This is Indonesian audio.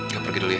gue pergi dulu ya